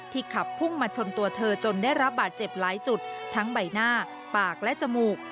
ขับพุ่งมาชนตัวเธอจนได้รับบาดเจ็บหลายจุดทั้งใบหน้าปากและจมูก